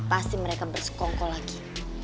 pasti mereka bersekongkol lagi